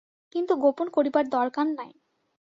কিন্তু গোপন করিবার দরকার নাই।